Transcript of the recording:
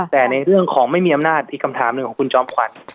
แต่ในเรื่องของไม่มีอำนาจอีกคำถามหนึ่งของคุณจอมขวัญ